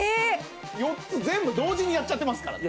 ４つ全部同時にやっちゃってますから。